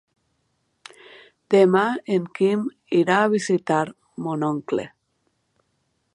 Demà en Quim irà a visitar mon oncle.